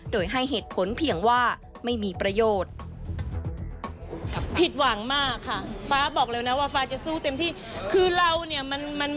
โดยให้เหตุผลเพียงว่าไม่มีประโยชน์